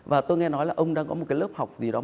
và tôi nghe nói là ông đang có một cái lớp học gì đó